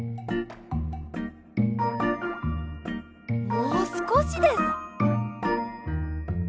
もうすこしです。